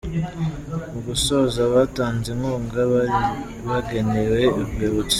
Mu gusoza batanze inkunga bari bageneye Urwibutso.